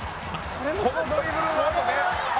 このドリブルのあとね！